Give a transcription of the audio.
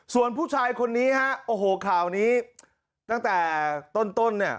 ส่วนผู้ชายคนนี้ฮะโอ้โหข่าวนี้ตั้งแต่ต้นเนี่ย